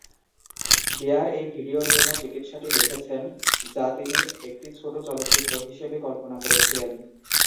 Bear এই ভিডিওর জন্য চিকিৎসাটি লিখেছেন, যা তিনি একটি ছোট চলচ্চিত্র হিসেবে কল্পনা করেছিলেন।